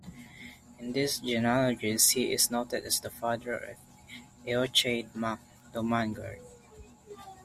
In these genealogies he is noted as the father of Eochaid mac Domangairt.